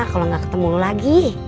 kalau nggak ketemu lo lagi